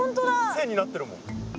線になってるもん。